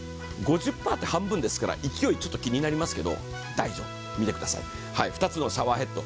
５０％って半分ですから、勢いがちょっと気になりますけど、大丈夫、２つのシャワーヘッド。